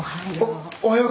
おはよう。